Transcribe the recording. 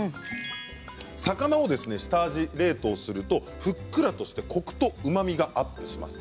魚を下味冷凍するとふっくらとしてコクとうまみがアップします。